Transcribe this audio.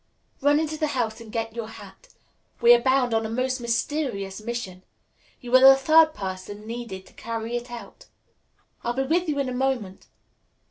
"Run in the house and get your hat. We are bound on a most mysterious mission. You are the third person needed to carry it out." "I'll be with you in a moment."